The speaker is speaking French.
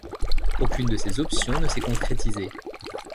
Aucune de ces options ne s'est concrétisée.